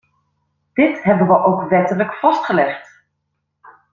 Dit hebben we ook wettelijk vastgelegd!